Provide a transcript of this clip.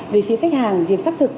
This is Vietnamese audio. về phía khách hàng việc xác thực